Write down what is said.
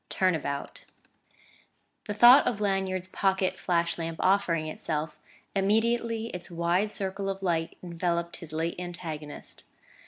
X TURN ABOUT The thought of Lanyard's pocket flash lamp offering itself, immediately its wide circle of light enveloped his late antagonist.